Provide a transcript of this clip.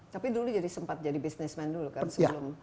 tapi dulu jadi sempat jadi businessment dulu kan sebelum